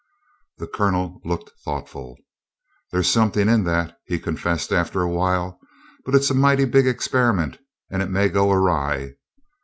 The Colonel looked thoughtful. "There's something in that," he confessed after a while; "but it's a mighty big experiment, and it may go awry."